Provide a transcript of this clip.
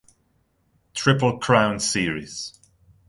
Triple Crown series.